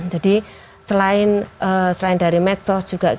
jadi selain dari medsos juga kita